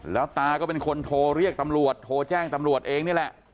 แล้วตาก็เป็นคนโทรเรียกตำรวจโทรแจ้งตำรวจเองนี่แหละ